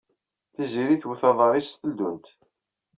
Tiziri twet aḍar-is s teldunt.